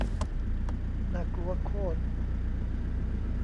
น่ากลัวโคตร